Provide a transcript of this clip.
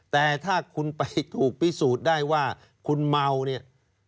แต่ถ้าคุณไปถูกพิสูจน์ได้ว่าคุณเมาเนี่ย